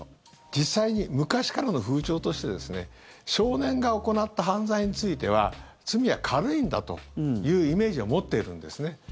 実際に昔からの風潮としてですね少年が行った犯罪については罪は軽いんだというイメージを持っているんですね。